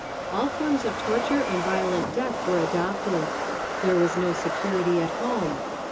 All forms of torture and violent death were adopted. There was no security at home.